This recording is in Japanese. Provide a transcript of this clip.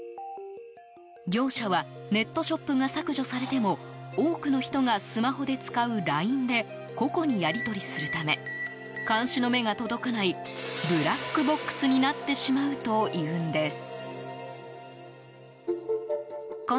業者はネットショップが削除されても多くの人がスマホで使うＬＩＮＥで個々にやり取りするため監視の目が届かないブラックボックスになってしまうというんです。